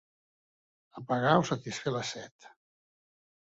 Apagar o satisfer la set.